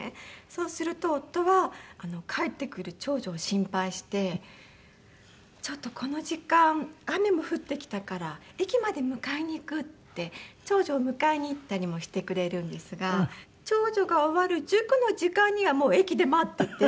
そうすると夫は帰ってくる長女を心配して「ちょっとこの時間雨も降ってきたから駅まで迎えに行く」って長女を迎えに行ったりもしてくれるんですが長女が終わる塾の時間にはもう駅で待ってて。